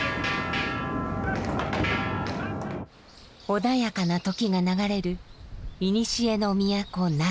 穏やかな時が流れるいにしえの都・奈良。